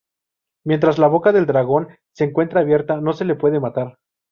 Mientras la boca del dragón se encuentre abierta no se le puede matar.